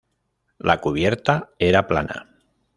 La cubierta era plana.